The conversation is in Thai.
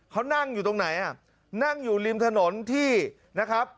เขานั่งอยู่ตรงไหนอ่ะนั่งอยู่ริมถนนที่นะครับ